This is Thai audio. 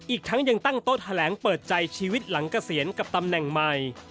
อีกทั้งยังตั้งโต๊ะแถลงเปิดใจชีวิตหลังเกษียณกับตำแหน่งใหม่